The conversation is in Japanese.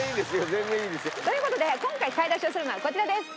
全然いいですよ。という事で今回買い出しをするのはこちらです。